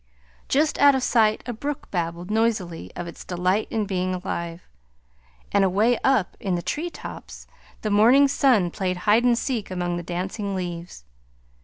Just out of sight a brook babbled noisily of its delight in being alive; and away up in the treetops the morning sun played hide and seek among the dancing leaves.